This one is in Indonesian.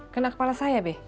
kena kepala saya be